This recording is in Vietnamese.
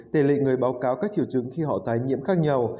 tỷ lệ người báo cáo các triệu chứng khi họ tái nhiễm khác nhau